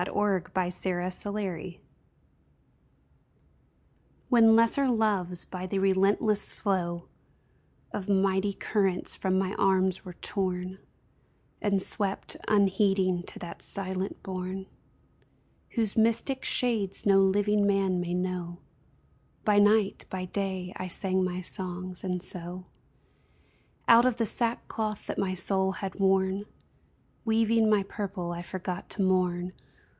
WHEN LESSER LOVES When lesser loves by the relentless flow Of mighty currents from my arms were torn And swept, unheeding, to that silent bourn Whose mystic shades no living man may know, By night, by day, I sang my songs ; and so, Out of the sackcloth that my soul had worn. Weaving my purple, I forgot to mourn.